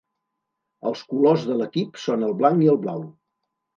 Els colors de l'equip són el blanc i el blau.